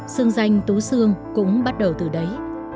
sương danh tú sương cũng bắt đầu từ đấy